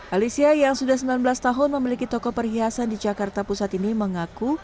alicia yang sudah sembilan belas tahun memiliki toko perhiasan di jakarta pusat ini mengaku